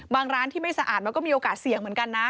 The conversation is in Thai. ร้านที่ไม่สะอาดมันก็มีโอกาสเสี่ยงเหมือนกันนะ